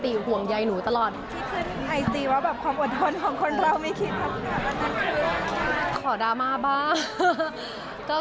ที่ต้องเรียนรู้แล้วก็ก้าวหาลไป